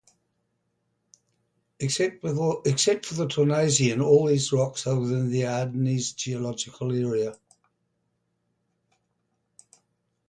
Except for the Tournaisian, all these rocks are within the Ardennes geological area.